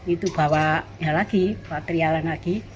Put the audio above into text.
itu bawa ya lagi patrialan lagi